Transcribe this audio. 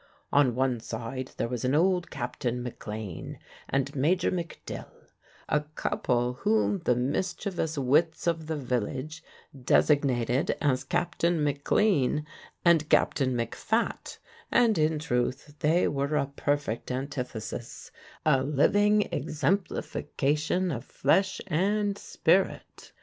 On one side there was an old Captain McLean, and Major McDill, a couple whom the mischievous wits of the village designated as Captain McLean and Captain McFat; and, in truth, they were a perfect antithesis, a living exemplification of flesh and spirit.